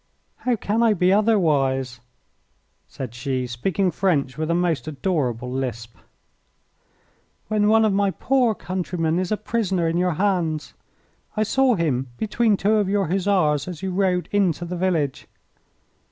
"How can I be otherwise," said she, speaking French with a most adorable lisp, "when one of my poor countrymen is a prisoner in your hands? I saw him between two of your Hussars as you rode into the village."